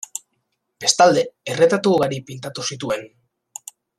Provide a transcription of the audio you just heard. Bestalde, erretratu ugari pintatu zituen.